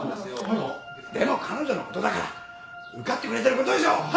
でも彼女のことだから受かってくれてることでしょう！